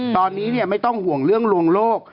ตอนนี้ไม่ต้องห่วงเรื่องลวงโลก